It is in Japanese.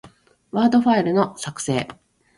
ワードファイルの、作成